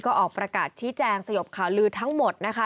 ก็ออกประกาศชี้แจงสยบข่าวลือทั้งหมดนะคะ